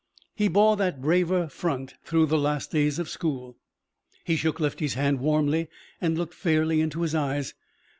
He bore that braver front through the last days of school. He shook Lefty's hand warmly and looked fairly into his eyes.